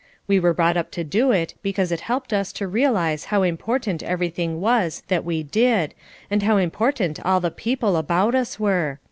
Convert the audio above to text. We were brought up to do it because it helped us to realise how important everything was that we did and how important all the people about us were.